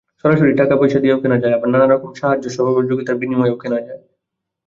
সরাসরি টাকাপয়সা দিয়েও কেনা যায়, আবার নানা রকম সাহায্য-সহযোগিতার বিনিময়েও কেনা যায়।